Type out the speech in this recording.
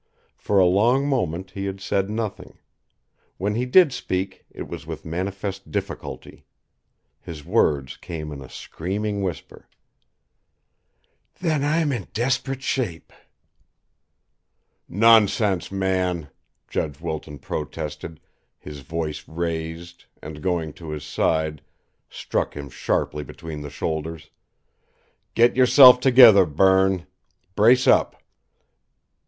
For a long moment, he had said nothing. When he did speak, it was with manifest difficulty. His words came in a screaming whisper: "Then, I'm in desperate shape!" "Nonsense, man!" Judge Wilton protested, his voice raised, and, going to his side, struck him sharply between the shoulders. "Get yourself together, Berne! Brace up!"